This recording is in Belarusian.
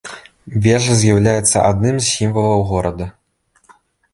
Вежа з'яўляецца адным з сімвалаў горада.